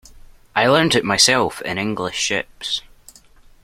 I learned it myself in English ships.